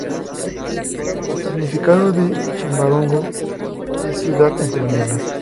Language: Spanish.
El significado de chimbarongo es ciudad entre nieblas.